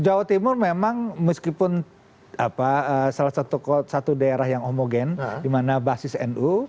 jawa timur memang meskipun salah satu daerah yang homogen di mana basis nu